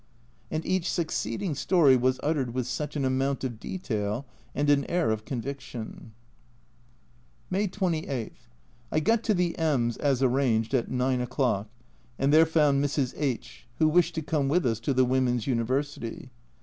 And each succeeding story was uttered with such an amount of detail and an air of conviction ! May 28. I got to the M s, as arranged, at 9 o'clock, and there found Mrs. H , who wished to come with us to the Women's University.